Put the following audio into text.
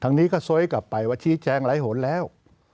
ทางนี้ก็สวยกลับไปว่าชี้แจงไร้หนแล้ว